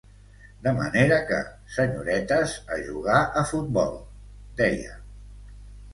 De manera que, senyoretes, a jugar a futbol!, deia.